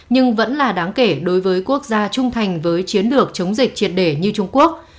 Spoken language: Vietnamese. nhưng vẫn là đáng kể đối với quốc gia trung thành với chiến lược chống dịch triệt đề như trung quốc